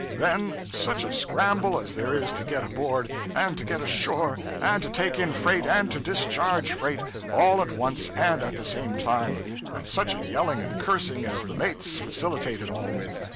Then such a scramble as there is to get aboard, and to get ashore, and to take in freight and to discharge freight, all at one and the same time; and such a yelling and cursing as the mates facilitate it all with!